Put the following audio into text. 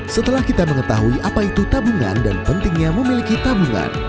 setelah kita mengetahui apa itu tabungan dan pentingnya memiliki tabungan